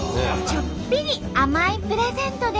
ちょっぴり甘いプレゼントです。